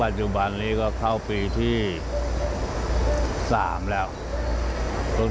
สุรรูปองค์ที่เรากำลังสลักอยู่นี่